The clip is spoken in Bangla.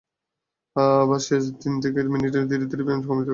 আবার শেষ তিন থেকে থেকে মিনিটে ধীরে ধীরে ব্যায়ামের গতি কমিয়ে দিন।